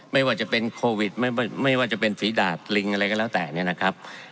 ไม่ว่าจะเป็นโควิดไม่ว่าจะเป็นฝีดาดลิงอะไรก็แล้วแต่เนี่ยนะครับ